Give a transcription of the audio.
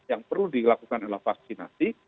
yang perlu dilakukan adalah vaksinasi